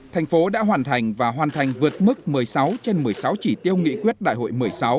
thành phố đã hoàn thành và hoàn thành vượt mức một mươi sáu trên một mươi sáu chỉ tiêu nghị quyết đại hội một mươi sáu